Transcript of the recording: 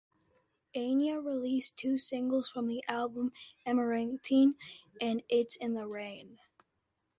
Enya released two singles from the album, "Amarantine" and "It's in the Rain".